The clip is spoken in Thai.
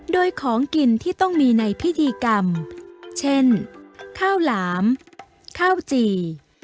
โดยของกินที่ต้องมีในพิธีกรรมเช่นข้าวหลามข้าวจี่